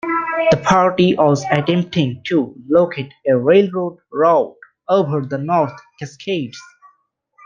The party was attempting to locate a railroad route over the North Cascades.